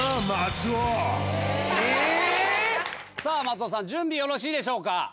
松尾ええさあ松尾さん準備よろしいでしょうか